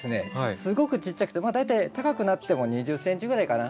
すごくちっちゃくて大体高くなっても２０ｃｍぐらいかな。